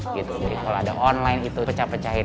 kalau ada online itu pecah pecahin